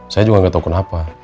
saya juga gak tau kenapa